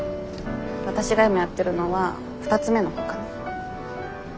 わたしが今やってるのは２つ目のほうかな。